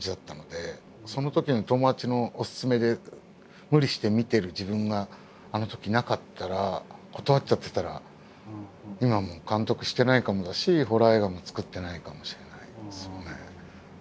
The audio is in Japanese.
そのときの友達のおすすめで無理して見てる自分があのときなかったら断っちゃってたら今もう監督してないかもだしホラー映画も作ってないかもしれないですよね。